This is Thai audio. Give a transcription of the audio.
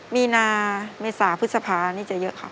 มีนาเมษาพฤษภานี่จะเยอะค่ะ